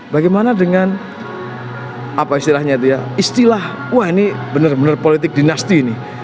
bagaimana dengan apa istilahnya itu ya istilah wah ini benar benar politik dinasti ini